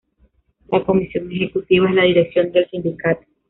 La "Comisión Ejecutiva" es la dirección del sindicato.